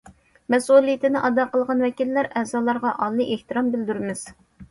مەسئۇلىيىتىنى ئادا قىلغان ۋەكىللەر، ئەزالارغا ئالىي ئېھتىرام بىلدۈرىمىز!